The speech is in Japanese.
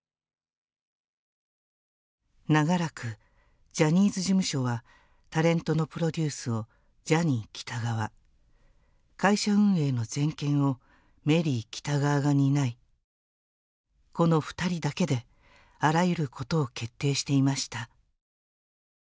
長らくジャニーズ事務所はタレントのプロデュースをジャニー喜多川、会社運営の全権をメリー喜多川が担いこの２人だけであらゆることを決定していました。